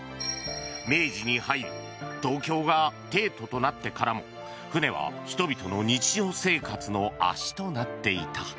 明治に入り東京が帝都となってからも船は人々の日常生活の足となっていた。